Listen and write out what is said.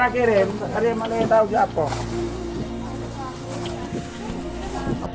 hari ini malah tidak tahu siapa